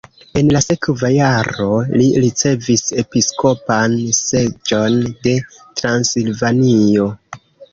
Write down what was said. En la sekva jaro li ricevis episkopan seĝon de Transilvanio.